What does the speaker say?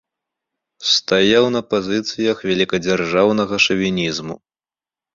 Стаяў на пазіцыях вялікадзяржаўнага шавінізму.